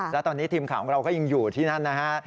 แล้วตอนนี้ทีมข่าวของเราก็ยังอยู่ที่นั่นนะฮะ